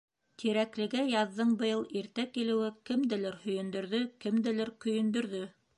Тирәклегә яҙҙың быйыл иртә килеүе кемделер һөйөндөрҙө, кемделер көйөндөрҙө.